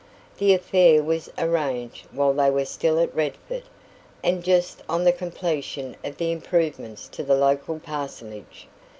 The affair was arranged while they were still at Redford, and just on the completion of the improvements to the local parsonage.